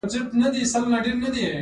د ښوونځي چاپېریال ډېر منظم و.